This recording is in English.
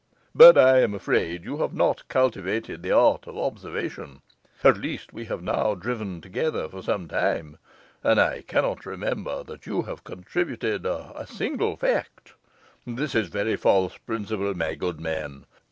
But I am afraid you have not cultivated the art of observation; at least we have now driven together for some time, and I cannot remember that you have contributed a single fact. This is a very false principle, my good man.